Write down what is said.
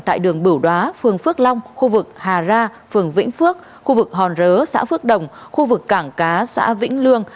tại đường bưu đó phường phước long khu vực hà ra phường vĩnh phước khu vực hòn rớ xã phước đồng khu vực cảng cá xã vĩnh lương